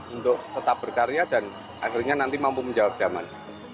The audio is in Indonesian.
untuk tetap berkarya dan akhirnya nanti mampu menjawab zaman